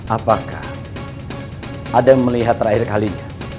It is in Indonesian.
apakah ada yang melihat terakhir kalinya